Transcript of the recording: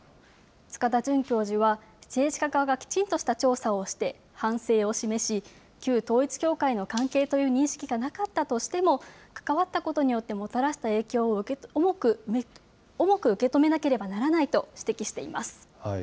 塚田准教授は政治家側がきちんとした調査をして反省を示し、旧統一教会の関係という認識がなかったとしても、関わったことによってもたらした影響を重く受け止めなければならないと指摘しています。